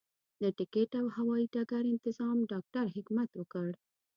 د ټکټ او هوايي ډګر انتظام ډاکټر حکمت وکړ.